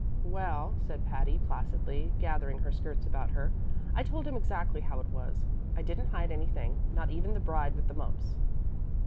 "Well," said Patty, placidly gathering her skirts about her, "I told him exactly how it was. I didn't hide anything not even the bride with the mumps."